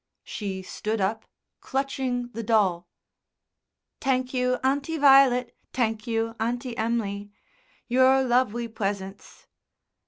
She stood up, clutching the doll. "T'ank you, Auntie Vi'let; t'ank you, Auntie Em'ly your lovely pwesents."